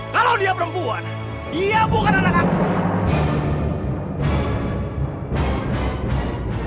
kalau dia perempuan dia bukan anak aku